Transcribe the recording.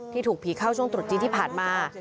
ถูกผีเข้าช่วงตรุษจีนที่ผ่านมา